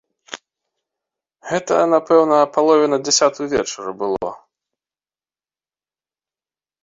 Гэта, напэўна, а палове на дзясятую вечара было.